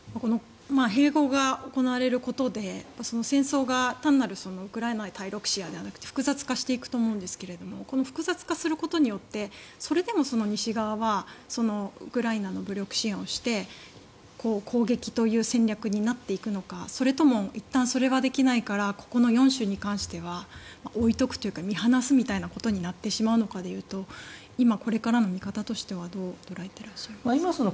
併合が行われることで戦争が単なるウクライナ対ロシアではなくて複雑化していくと思うんですが複雑化していくことによってそれでも西側はウクライナの武力支援をして攻撃という戦略になっていくのかそれともいったんそれができないからここの４州に関しては置いておくというか見放すということになってしまうのかとすると今、これからの見方としてはどう捉えていらっしゃいますか。